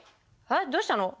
えっどうしたの？